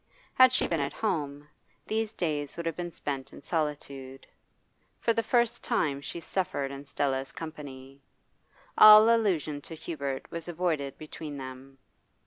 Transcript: Had she been at home, these days would have been spent in solitude. For the first time she suffered in Stella's company. All allusion to Hubert was avoided between them.